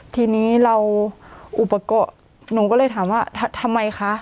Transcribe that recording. ทีนี้เราอุปกรณ์หนูก็เลยถามว่าทำไมคะ